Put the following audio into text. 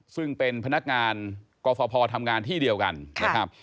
ซึ่งเป็นพนักงานกฟภทำงานที่เดียวกันนะครับ